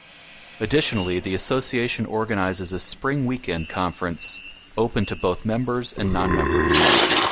Additionally, the association organizes a spring weekend conference open to both members and non-members.